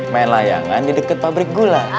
main layangan di dekat pabrik gula